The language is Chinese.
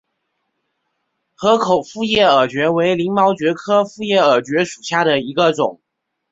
河口复叶耳蕨为鳞毛蕨科复叶耳蕨属下的一个种。